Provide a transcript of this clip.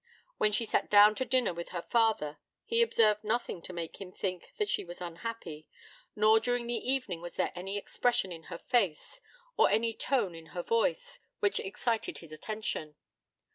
When she sat down to dinner with her father he observed nothing to make him think that she was unhappy, nor during the evening was there any expression in her face, or any tone in her voice, which excited his attention.